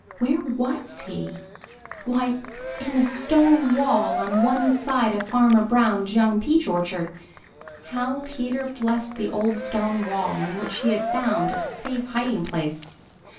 Where was he? Why, in the stone wall on one side of Farmer Brown's young peach orchard. How Peter blessed the old stone wall in which he had found a safe hiding place!